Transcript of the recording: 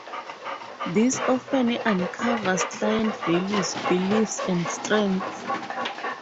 This often uncovers client values, beliefs and strengths.